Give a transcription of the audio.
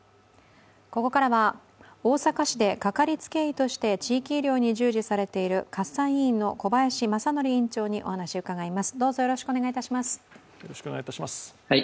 ここからは大阪市でかかりつけ医として地域医療に従事されています葛西医院の小林正宜院長にお話を伺います。